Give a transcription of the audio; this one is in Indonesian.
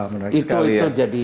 benar sekali ya